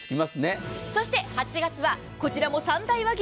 そして８月はこちらも三大和牛。